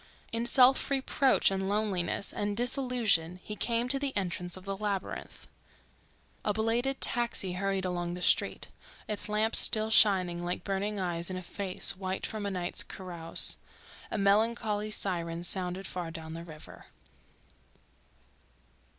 In self reproach and loneliness and disillusion he came to the entrance of the labyrinth. Another dawn flung itself across the river, a belated taxi hurried along the street, its lamps still shining like burning eyes in a face white from a night's carouse. A melancholy siren sounded far down the river.